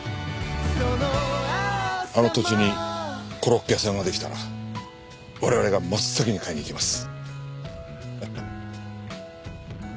あの土地にコロッケ屋さんができたら我々が真っ先に買いに行きます。